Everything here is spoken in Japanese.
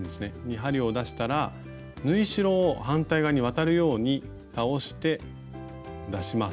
針を出したら縫い代を反対側に渡るように倒して出します。